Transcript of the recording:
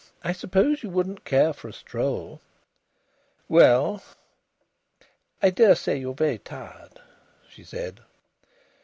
I suppose you wouldn't care for a stroll?" "Well " "I daresay you're very tired," she said.